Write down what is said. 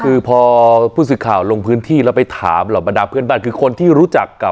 คือพอผู้สื่อข่าวลงพื้นที่แล้วไปถามเหล่าบรรดาเพื่อนบ้านคือคนที่รู้จักกับ